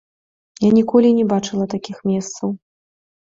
Я ніколі і не бачыла такіх месцаў.